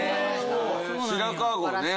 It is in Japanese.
白川郷ね。